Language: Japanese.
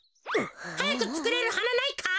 はやくつくれるはなないか？